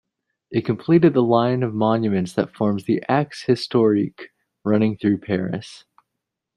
It completed the line of monuments that forms the "Axe historique" running through Paris.